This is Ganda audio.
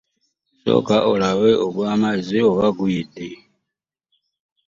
Sooka alabe agwo amazzi oba gayide.